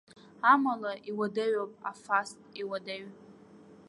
Амала, иуадаҩуп, афаст, иуадаҩ.